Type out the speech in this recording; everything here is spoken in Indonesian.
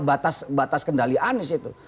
batas kendalian di situ